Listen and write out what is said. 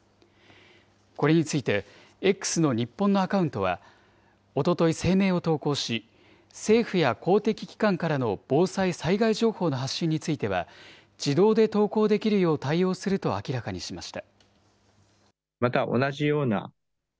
これについてＸの日本のアカウントは、おととい、声明を投稿し、政府や公的機関からの防災・災害情報の発信については、自動で投稿できるよう対応すると明らかにしました。